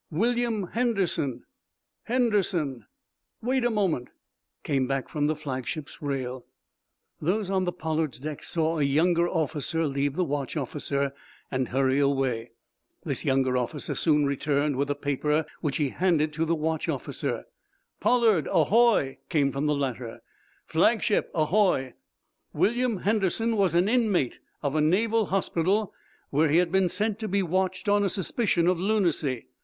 "William Henderson." "Henderson? Wait a moment!" came back from the flagship's rail. Those on the "Pollard's" deck saw a younger officer leave the watch officer and hurry away. This younger officer soon returned with a paper which he handed to the watch officer. "'Pollard' ahoy!" came from the latter. "Flagship ahoy!" "William Henderson was an inmate of a naval hospital, where he had been sent to be watched on a suspicion of lunacy.